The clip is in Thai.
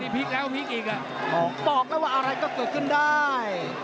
นี่พีคแล้วพีคอีกอ่ะอ๋อบอกแล้วว่าอะไรก็เกิดขึ้นได้